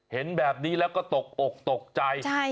เห็นแบบนี้แล้วก็ตกอกตกใจ